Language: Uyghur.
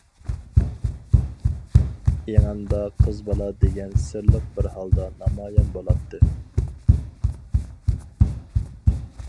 ئېڭىمدا قىز بالا دېگەن سىرلىق بىر ھالدا نامايان بولاتتى.